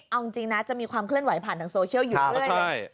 เอาจริงนะจะมีความเคลื่อนไหวผ่านทางโซเชียลอยู่เรื่อย